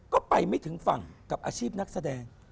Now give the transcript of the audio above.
ก็ไปไม่ถึงฝั่งกับอาชีพนักแสดง